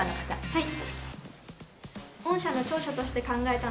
はい。